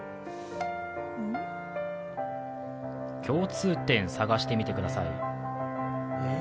共通点を探してみてください。